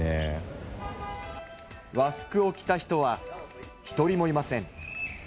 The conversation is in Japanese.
和服を着た人は、一人もいません。